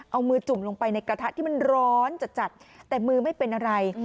เอามือจุ่มลงไปในกระทะที่มันร้อนจัดแต่มือไม่เป็นอะไร